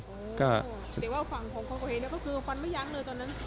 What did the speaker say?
แต่ว่าฝั่งของคนก่อเหตุเนี่ยก็คือฟันไม่ยั้งเลยตอนนั้น